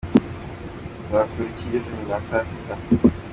Uzakora iki ejo nyuma ya saa sita?